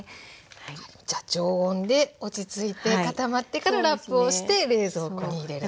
じゃあ常温で落ち着いて固まってからラップをして冷蔵庫に入れると。